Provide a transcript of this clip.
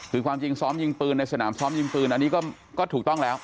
คือความจริงซ้อมยิงปืนในสนามซ้อมยิงปืนอันนี้ก็ถูกต้องแล้ว